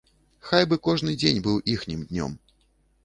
Хай бы кожны дзень быў іхнім днём.